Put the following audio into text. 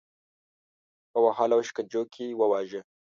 په وهلو او شکنجو کې وواژه.